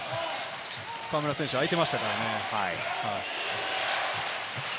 河村選手、あいていましたからね。